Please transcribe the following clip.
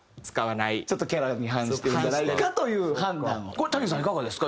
これＴａｎｉさんいかがですか？